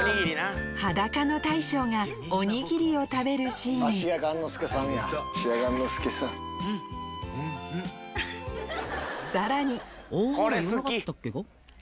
『裸の大将』がおにぎりを食べるシーンさらにこれ好き！